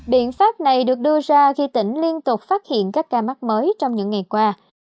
biện pháp này được đưa ra khi tỉnh liên tục phát hiện các ca mắc mới trong những ngày qua